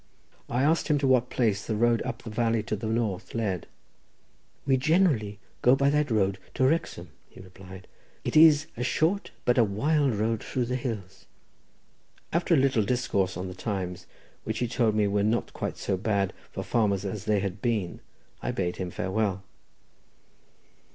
I asked him to what place the road up the valley to the north led. "We generally go by that road to Wrexham," he replied; "it is a short but a wild road through the hills." After a little discourse on the times, which he told me were not quite so bad for farmers as they had been, I bade, him farewell.